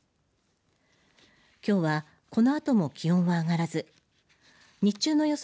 きょうはこのあとも気温は上がらず日中の予想